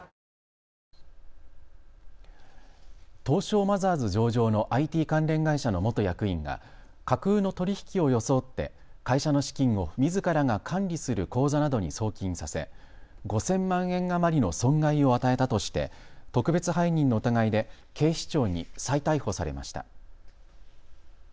東証マザーズ上場のＩＴ関連会社の元役員が架空の取り引きを装って会社の資金をみずからが管理する口座などに送金させ５０００万円余りの損害を与えたとして特別背任の疑いで警視庁に再逮捕されました。